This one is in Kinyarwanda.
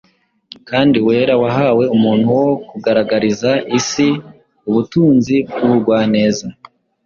kandi wera wahawe umuntu wo kugaragariza isi ubutunzi bw’ubugwaneza,